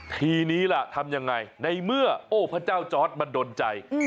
ทีนี้ล่ะทำอย่างไรในเมื่อโอ้พระเจ้าจอสมาดนใจ